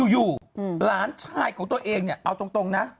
อยู่หลานชายของตัวเองเนี่ยเอาตรงนะ